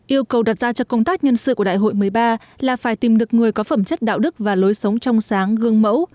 yêu cầu đặt ra cho công tác nhân sự của đại hội một mươi ba là phải tìm được người có phẩm chất đạo đức và lối sống trong sáng gương mẫu